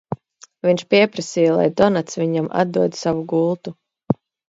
Viņš pieprasīja, lai Donats viņam atdod savu gultu.